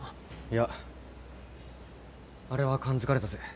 いやあれは感づかれたぜ。